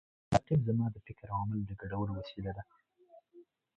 رقیب زما د فکر او عمل د ګډولو وسیله ده